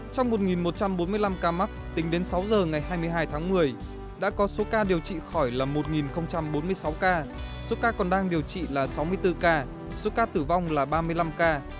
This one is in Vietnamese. trong một một trăm bốn mươi năm ca mắc tính đến sáu giờ ngày hai mươi hai tháng một mươi đã có số ca điều trị khỏi là một bốn mươi sáu ca số ca còn đang điều trị là sáu mươi bốn ca số ca tử vong là ba mươi năm ca